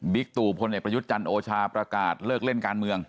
ตู่พลเอกประยุทธ์จันทร์โอชาประกาศเลิกเล่นการเมือง